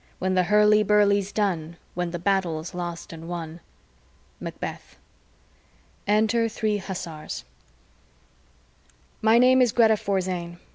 When the hurlyburly's done. When the battle's lost and won. Macbeth ENTER THREE HUSSARS My name is Greta Forzane.